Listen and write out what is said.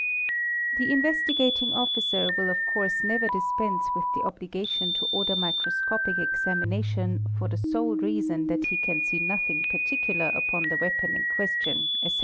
The Investigating Ofticer will of course never dispense with the obligation to order microscopic examination for the sole reason that he ean see nothing particular upon the weapon in question, etc.